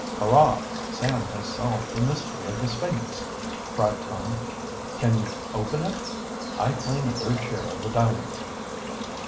"Hurrah! Sam has solved the mystery of the sphinx!" cried Tom. "Can you open it? I claim a third share of the diamonds!"